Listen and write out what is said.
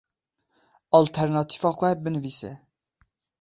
Alternatîfa xwe binivîse.